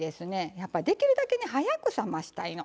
やっぱりできるだけ早く冷ましたいの。